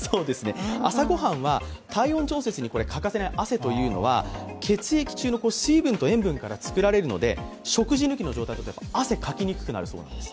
朝ごはんは体温調節に欠かせない汗というのは血液中の水分と塩分から作られるので、食事抜きの状態は、汗をかきにくくなるそうです。